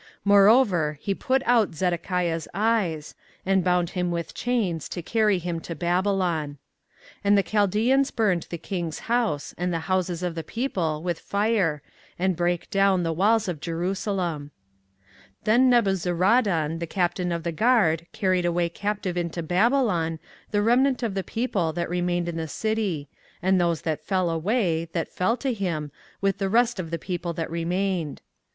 24:039:007 Moreover he put out Zedekiah's eyes, and bound him with chains, to carry him to Babylon. 24:039:008 And the Chaldeans burned the king's house, and the houses of the people, with fire, and brake down the walls of Jerusalem. 24:039:009 Then Nebuzaradan the captain of the guard carried away captive into Babylon the remnant of the people that remained in the city, and those that fell away, that fell to him, with the rest of the people that remained.